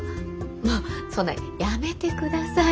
もうそんなやめてください。